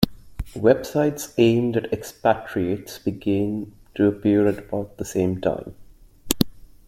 Websites aimed at expatriates began to appear about the same time.